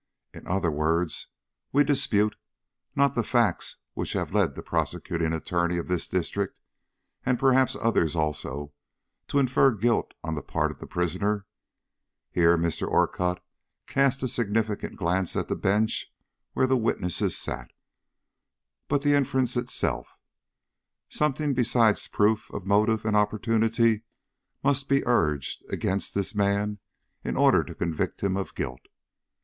In other words, we dispute, not the facts which have led the Prosecuting Attorney of this district, and perhaps others also, to infer guilt on the part of the prisoner," here Mr. Orcutt cast a significant glance at the bench where the witnesses sat, "but the inference itself. Something besides proof of motive and opportunity must be urged against this man in order to convict him of guilt.